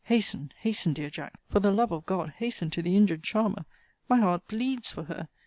Hasten, hasten, dear Jack; for the love of God, hasten to the injured charmer! my heart bleeds for her!